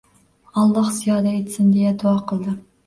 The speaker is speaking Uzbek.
Alloh ziyoda etsin, deya duo qildi.